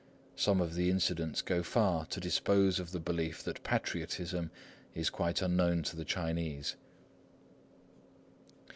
Some of the incidents go far to dispose of the belief that patriotism is quite unknown to the Chinese.